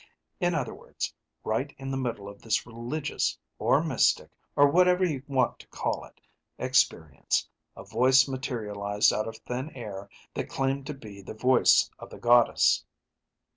In other words, right in the middle of this religious, or mystic, or whatever you want to call it, experience, a voice materialized out of thin air that claimed to the voice of The Goddess.